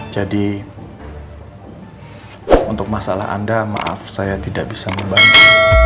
jadi untuk masalah anda maaf saya tidak bisa membantu